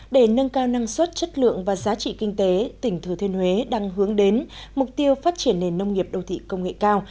để nâng cao năng suất chất lượng và giá trị kinh tế tỉnh thừa thiên huế đang hướng đến mục tiêu phát triển nền nông nghiệp đô thị công nghệ cao